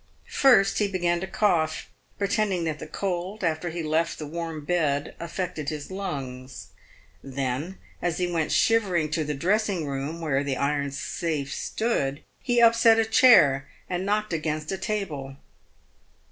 First, he began to cough, pretending that the cold, after he left the warm bed, affected his lungs. Then, as he went shivering to the dressing room, where the iron safe stood, he upset a chair and knocked against a table.